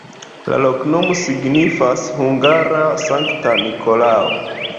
La loknomo signifas: hungara-Sankta Nikolao.